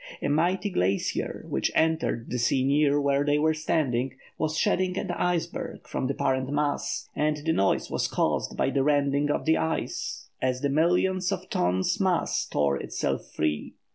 A mighty glacier, which entered the sea near where they were standing, was shedding an iceberg from the parent mass, and the noise was caused by the rending of the ice as the millions of tons mass tore itself free.